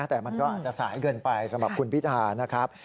แต่มันก็อาจจะสายเกินไปสำหรับคุณพิธานะครับ